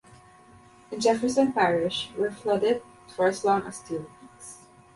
In Jefferson Parish, were flooded for as long as two weeks.